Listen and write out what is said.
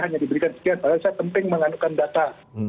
hanya diberikan sekian saya penting menganukan data